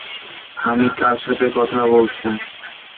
আমি কার সাথে কথা বলছি?